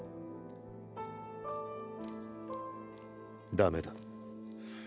ダメだ。